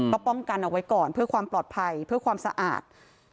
ก็ป้องกันเอาไว้ก่อนเพื่อความปลอดภัยเพื่อความสะอาด